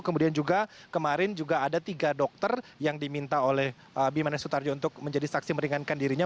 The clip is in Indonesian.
kemudian juga kemarin juga ada tiga dokter yang diminta oleh bimanes sutarjo untuk menjadi saksi meringankan dirinya